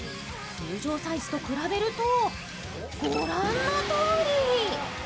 通常サイズと比べると、御覧のとおり。